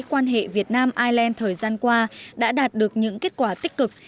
quan hệ việt nam ireland thời gian qua đã đạt được những kết quả tích cực